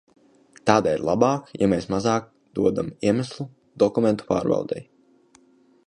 Tādēļ labāk, ja mēs mazāk dodam iemeslu dokumentu pārbaudei.